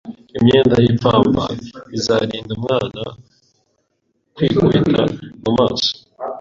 Imyenda y'ipamba izarinda umwana kwikubita mu maso.